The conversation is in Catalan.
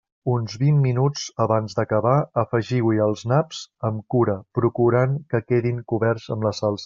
Uns vint minuts abans d'acabar, afegiu-hi els naps, amb cura, procurant que quedin coberts amb la salsa.